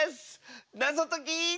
なぞとき。